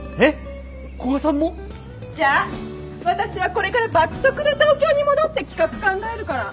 じゃ私はこれから爆速で東京に戻って企画考えるから。